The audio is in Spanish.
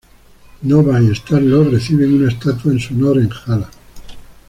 Nova y Star-Lord reciben una estatua en su honor en Hala.